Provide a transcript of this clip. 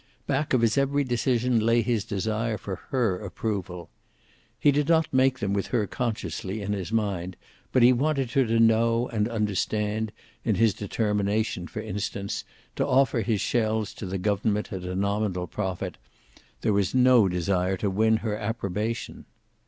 Back of his every decision lay his desire for her approval. He did not make them with her consciously in his mind, but he wanted her to know and understand, In his determination, for instance, to offer his shells to the government at a nominal profit, there was no desire to win her approbation.